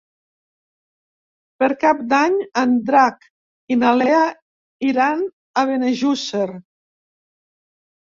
Per Cap d'Any en Drac i na Lea iran a Benejússer.